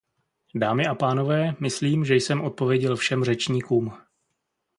Dámy a pánové, myslím, že jsem odpověděl všem řečníkům.